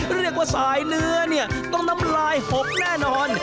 เรียกว่าสายเนื้อเนี่ยต้องน้ำลายหกแน่นอน